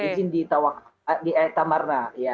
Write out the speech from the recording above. izin di ait tamarna